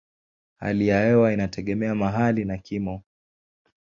Hali ya hewa inategemea mahali na kimo.